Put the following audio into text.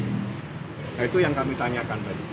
nah itu yang kami tanyakan tadi